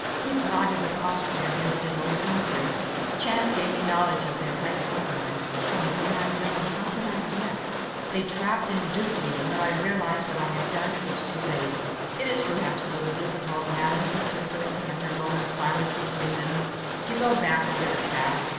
He plotted with Austria against his own country. Chance gave me knowledge of this; I spoke of it, but I did not know—how could I guess?—they trapped and duped me. When I realised what I had done, it was too late." "It is perhaps a little difficult, Madame," said Sir Percy, after a moment of silence between them, "to go back over the past.